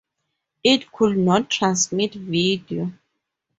It could not transmit video.